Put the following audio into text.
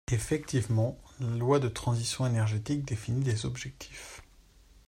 Effectivement, la loi de transition énergétique définit des objectifs.